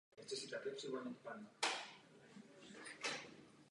Uprchlíkům vydával pro první okamžiky v exilu doporučení pro františkánský klášter ve Vídni.